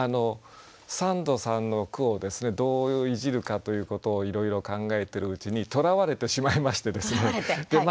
三度さんの句をですねどういじるかということをいろいろ考えてるうちにとらわれてしまいましてですね。